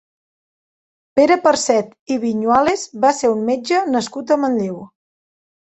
Pere Parcet i Viñuales va ser un metge nascut a Manlleu.